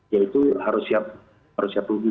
yaitu harus siap harus siap profit